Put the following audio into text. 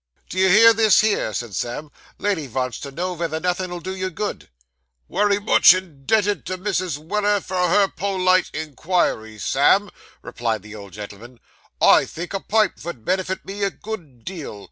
'Do you hear this here?' said Sam. 'Lady vants to know vether nothin' 'ull do you good.' 'Wery much indebted to Mrs. Weller for her po lite inquiries, Sammy,' replied the old gentleman. 'I think a pipe vould benefit me a good deal.